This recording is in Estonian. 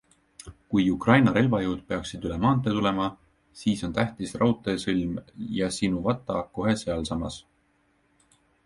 Kui Ukraina relvajõud peaksid üle maantee tulema, siis on tähtis raudteesõlm Jasinuvata kohe sealsamas.